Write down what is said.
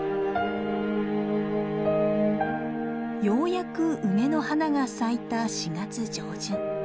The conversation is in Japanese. ようやく梅の花が咲いた４月上旬。